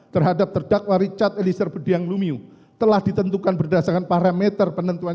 terhadap terdakwa richard elisir budiang lumiu telah ditentukan berdasarkan parameter penentuan